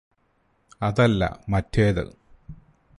അതല്ല മറ്റേത്